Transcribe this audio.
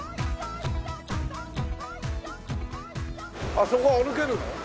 あそこ歩けるの？